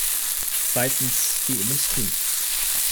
Zweitens, die Industrie.